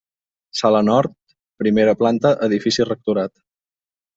Sala nord, primera planta edifici Rectorat.